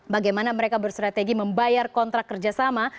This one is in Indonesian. bagaimana mereka bersrategi membayar kontrak kerjasama